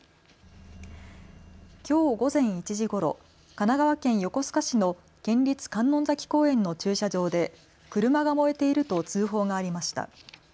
きょう午前１時ごろ神奈川県横須賀市の県立観音崎公園の駐車場で車が燃えていると通報がありました。